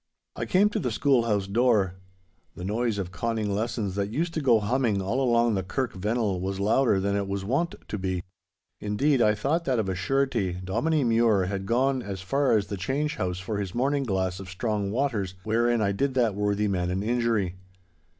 I came to the schoolhouse door. The noise of conning lessons that used to go humming all along the Kirk Vennel was louder than it was wont to be. Indeed, I thought that of a surety Dominie Mure had gone as far as the change house for his morning glass of strong waters, wherein I did that worthy man an injury.